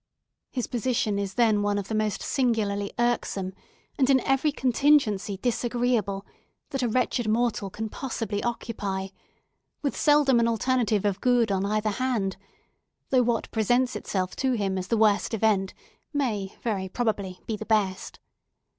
His position is then one of the most singularly irksome, and, in every contingency, disagreeable, that a wretched mortal can possibly occupy; with seldom an alternative of good on either hand, although what presents itself to him as the worst event may very probably be the best.